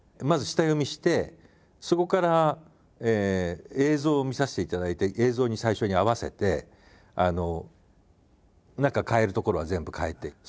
まず下読みしてそこから映像を見させていただいて映像に最初に合わせて何か変えるところは全部変えて。